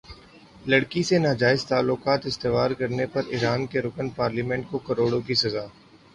لڑکی سے ناجائز تعلقات استوار کرنے پر ایران کے رکن پارلیمنٹ کو کوڑوں کی سزا